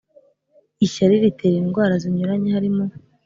ishyari ritera indwara zinyuranye harimo